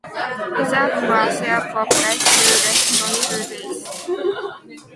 Reserves were therefore placed to respond to this.